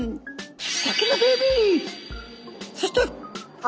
そして。